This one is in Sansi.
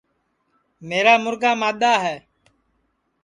میرا مُرگا مادؔا ہے